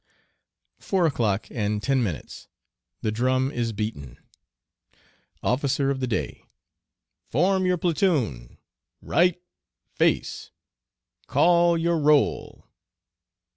Four o'clock and ten minutes. The drum is beaten. Officer of the Day. Form your platoon! Right, face! Call your roll!